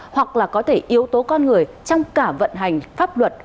hoặc là có thể yếu tố con người trong cả vận hành pháp luật